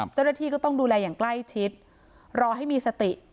เจ้าหน้าที่ก็ต้องดูแลอย่างใกล้ชิดรอให้มีสติ